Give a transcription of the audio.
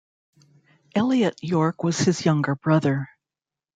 Elliot Yorke was his younger brother.